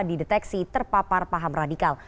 dideteksi terpapar paham radikal